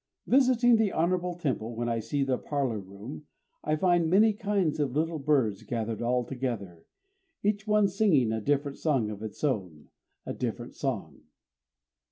_ Visiting the honorable temple, when I see the parlor room, I find many kinds of little birds gathered all together, Each one singing a different song of its own, _A different song.